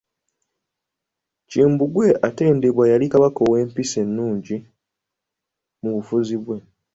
Kimbugwe atendebwa, yali Kabaka wa mpisa nnungi mu bufuzi bwe.